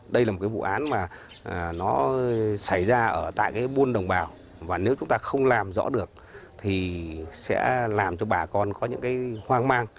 đây là một cái vụ án mà nó xảy ra ở tại cái buôn đồng bào và nếu chúng ta không làm rõ được thì sẽ làm cho bà con có những cái hoang mang